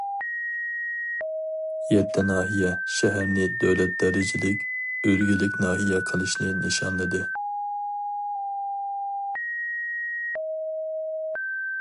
يەتتە ناھىيە، شەھەرنى دۆلەت دەرىجىلىك ئۈلگىلىك ناھىيە قىلىشنى نىشانلىدى.